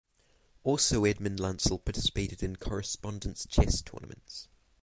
Also Edmond Lancel participated in correspondence chess tournaments.